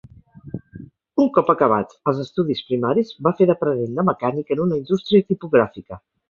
Un cop acabats els estudis primaris va fer d'aprenent de mecànic en una indústria tipogràfica.